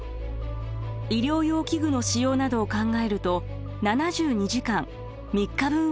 医療用器具の使用などを考えると７２時間３日分は必要だといいます。